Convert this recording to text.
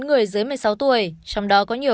người dưới một mươi sáu tuổi trong đó có nhiều